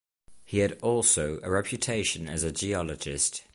He had also a reputation as a geologist.